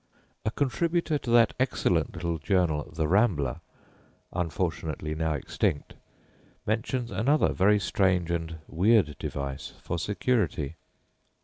] A contributor to that excellent little journal The Rambler, unfortunately now extinct, mentions another very strange and weird device for security.